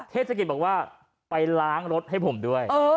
เทศกิจบอกว่าไปล้างรถให้ผมด้วย